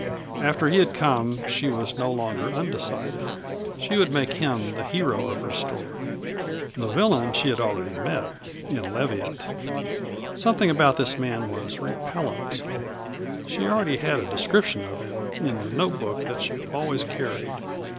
After he had come she was no longer undecided she would make him the hero of her story. The villain she had already met in Leviatt. Something about this man was repellant. She already had a description of him in the note book that she always carried.